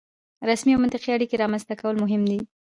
رسمي او منطقي اړیکې رامنځته کول مهم دي.